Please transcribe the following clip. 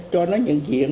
cho nó nhận diện